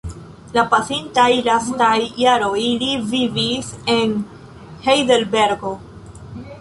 La pasintaj lastaj jaroj li vivis en Hejdelbergo.